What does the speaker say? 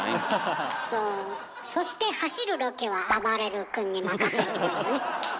そして走るロケはあばれる君に任せるというね。